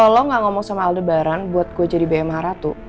kalo lo gak ngomong sama aldebaran buat gue jadi bma maratu